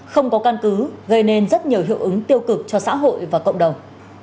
không có căn cứ gây nên rất nhiều hiệu ứng tiêu cực cho xã hội và cộng đồng